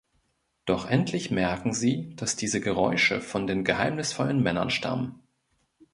Doch endlich merken sie, dass diese Geräusche von den geheimnisvollen Männern stammen.